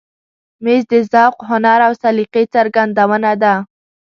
مېز د ذوق، هنر او سلیقې څرګندونه ده.